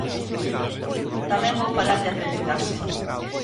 Tamén vou falar de aprendizaxe.